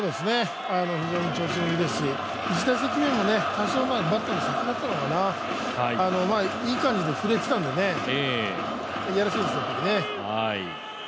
非常に調子がいいですし、１打席目も多少バットの先だったのかな、いい感じで振れてたのでいやらしいでしょうけどね。